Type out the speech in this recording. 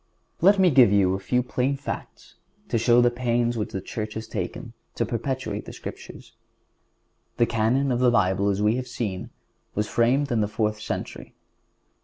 Let me give you a few plain facts to show the pains which the Church has taken to perpetuate the Scriptures. The Canon of the Bible, as we have seen, was framed in the fourth century.